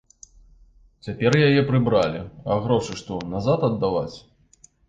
Цяпер яе прыбралі, а грошы што, назад аддаваць?